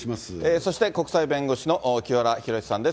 そして国際弁護士の清原博さんです。